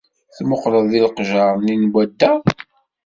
Tmuqleḍ deg leqjaṛ nni n wadda?